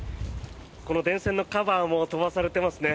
この電線のカバーも飛ばされていますね。